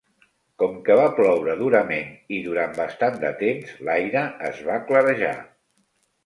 Com que va ploure durament i durant bastant de temps l'aire es va clarejar.